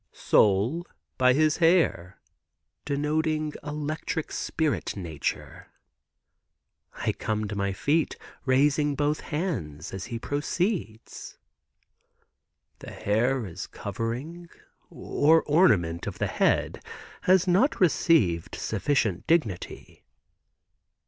"Soul, by his hair, denoting electric spirit nature." I come to my feet, raising both hands, as he proceeds. "The hair as covering or ornament of the head has not received sufficient dignity.